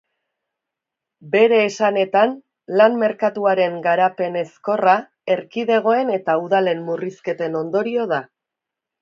Bere esanetan, lan merkatuaren garapen ezkorra erkidegoen eta udalen murrizketen ondorio da.